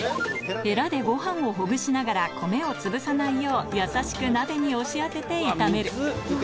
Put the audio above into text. ヘラでご飯をほぐしながら米をつぶさないよう優しく鍋に押し当てて炒める